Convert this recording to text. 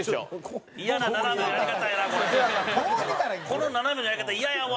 この斜めのやり方イヤやわ！